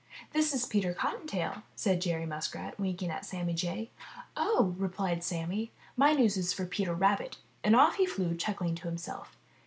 "This is Peter Cottontail," said Jerry Muskrat, winking at Sammy Jay. "Oh," replied Sammy, "my news is for Peter Rabbit!" and off he flew, chuckling to himself.